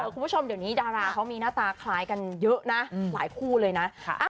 คุณผู้ชมเดี๋ยวนี้ดาราเขามีหน้าตาคล้ายกันเยอะนะหลายคู่เลยนะ